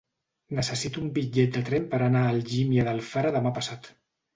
Necessito un bitllet de tren per anar a Algímia d'Alfara demà passat.